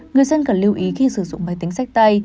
người dân cần lưu ý khi sử dụng máy tính sách tay